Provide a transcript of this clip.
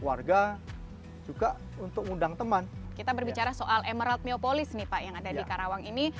warga juga untuk undang teman kita berbicara soal emerald neopolis nih pak yang ada di karawang ini